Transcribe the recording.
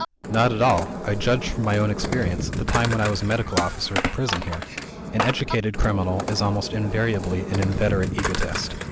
"Not at all. I judged from my own experience, at the time when I was Medical Officer at the prison here. An educated criminal is almost invariably an inveterate egotist.